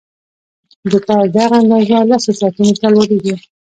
د کار دغه اندازه لسو ساعتونو ته لوړېږي